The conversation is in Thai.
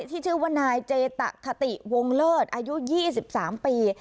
ที่ชื่อว่านายเจตะคติวงเลิศอายุ๒๓ปี